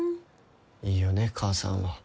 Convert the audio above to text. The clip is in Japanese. いいよね母さんは。